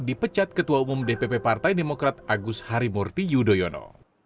dipecat ketua umum dpp partai demokrat agus harimurti yudhoyono